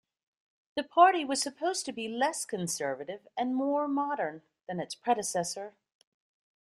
The party was supposed to be less conservative and more modern that its predecessor.